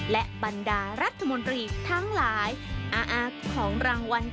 และบรรดารัฐมนตรีทั้งหลายของรางวัล